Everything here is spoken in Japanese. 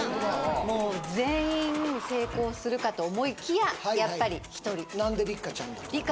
もう全員成功するかと思いきややっぱり１人何で六花ちゃんが？